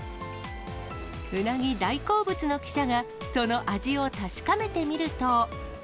うなぎ大好物の記者が、その味を確かめてみると。